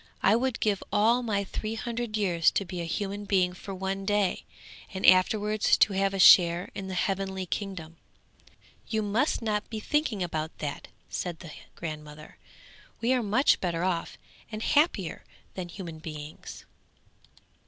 'I would give all my three hundred years to be a human being for one day, and afterwards to have a share in the heavenly kingdom.' 'You must not be thinking about that,' said the grandmother; 'we are much better off and happier than human beings.'